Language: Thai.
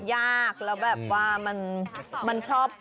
ยากแล้วแบบว่ามันชอบ